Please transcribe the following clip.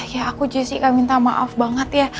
ya aku jess juga minta maaf banget ya